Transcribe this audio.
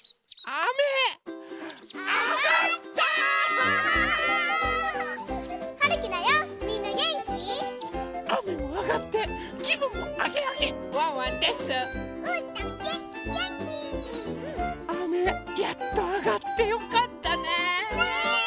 あめやっとあがってよかったね。ね！